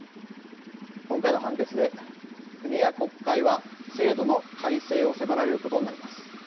今回の判決で、国や国会は制度の改正を迫られることになります。